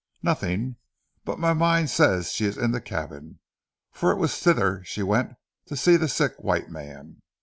"Nothing, but my mind says she is in the cabin, for it was thither she went to see the sick white man.